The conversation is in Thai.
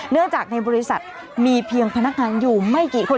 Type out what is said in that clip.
เนื่องจากในบริษัทมีเพียงพนักงานอยู่ไม่กี่คน